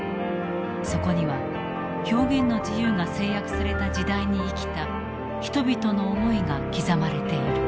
そこには表現の自由が制約された時代に生きた人々の思いが刻まれている。